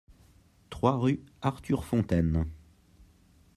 trois rue Arthur Fontaine